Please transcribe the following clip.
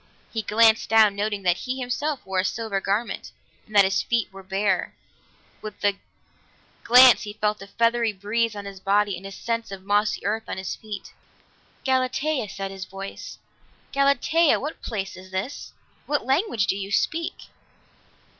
He glanced down, noting that he himself wore a silver garment, and that his feet were bare; with the glance he felt a feathery breeze on his body and a sense of mossy earth on his feet. "Galatea," said his voice. "Galatea, what place is this? What language do you speak?"